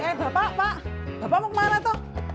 eh bapak pak bapak mau kemana tuh